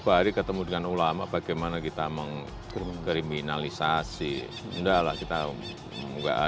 masih dalam kesempatan yang sama pada sembilan belas juni lalu presiden juga angkat suara terkait dugaan adanya kriminalisasi ulama